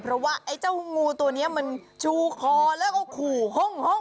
เพราะว่าไอ้เจ้างูตัวนี้มันชูคอแล้วก็ขู่ห้อง